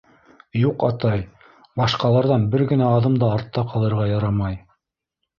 — Юҡ, атай, башҡаларҙан бер генә аҙым да артта ҡалырға ярамай.